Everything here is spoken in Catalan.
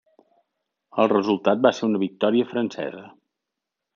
El resultat va ser una victòria francesa.